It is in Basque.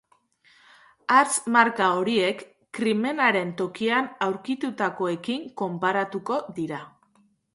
Hatz-marka horiek krimenaren tokian aurkitutakoekin konparatuko dira.